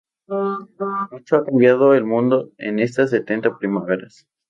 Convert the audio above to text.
Mucho ha cambiado el mundo en estas setenta primaveras.